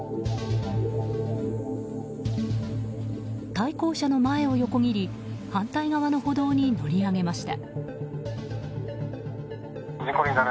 対向車の前を横切り反対側の歩道に乗り上げました。